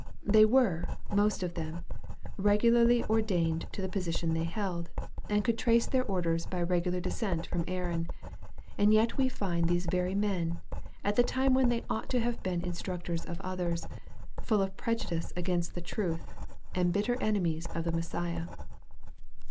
They were, most of them, regularly or dained to the position they held, and could trace their orders by regular descent from Aaron. And yet we find these very men, at the time when they ought to have been instructors of others, full of prejudice against the truth, and bitter enemies of the Messiah